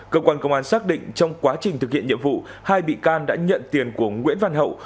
cơ quan công an xác định trong quá trình thực hiện nhiệm vụ hai bị can đã nhận tiền của nguyễn văn hậu